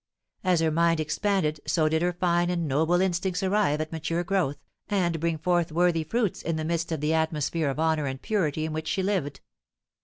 As her mind expanded so did her fine and noble instincts arrive at mature growth, and bring forth worthy fruits in the midst of the atmosphere of honour and purity in which she lived.